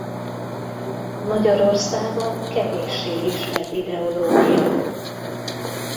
Magyarországon kevéssé ismert ideológia.